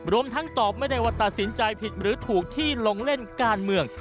รวมทั้งตอบไม่ได้ว่าตัดสินใจผิดหรือถูกที่ลงเล่นการเมือง